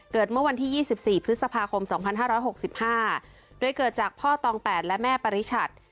เมื่อวันที่๒๔พฤษภาคม๒๕๖๕โดยเกิดจากพ่อตอง๘และแม่ปริชัด